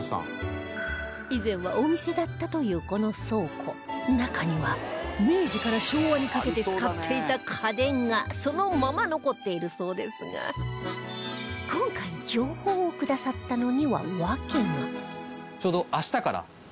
以前はお店だったというこの倉庫中には明治から昭和にかけて使っていた家電がそのまま残っているそうですが今回情報をくださったのには訳が